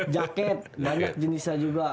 jaket banyak jenisnya juga